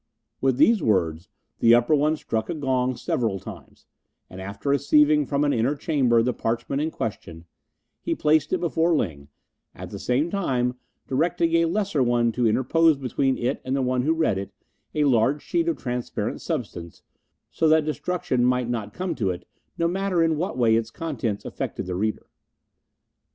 With these words the upper one struck a gong several times, and after receiving from an inner chamber the parchment in question, he placed it before Ling, at the same time directing a lesser one to interpose between it and the one who read it a large sheet of transparent substance, so that destruction might not come to it, no matter in what way its contents affected the reader.